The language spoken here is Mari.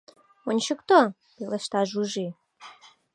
— Ончыкто, — пелешта Жужи.